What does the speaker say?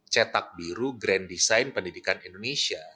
cetak biru grand design pendidikan indonesia